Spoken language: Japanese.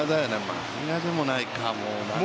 漫画でもないか、もうすごい。